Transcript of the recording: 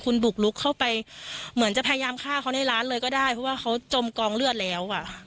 คุณบุกลุกเข้าไปเหมือนจะพยายามฆ่าเขาในร้านเลยก็ได้เพราะว่าเขาจมกองเลือดแล้วอ่ะ